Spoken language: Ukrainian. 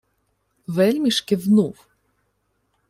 Вельміж кивнув.